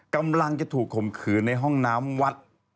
กำลังจะถูกข่มขืนในห้องน้ำวัด